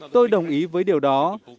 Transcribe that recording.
tôi đồng ý với điều đó